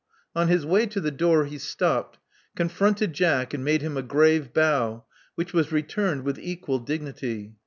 On his way to the door he stopped; confronted Jack; and made him a grave bow, which was returned with equal dignity.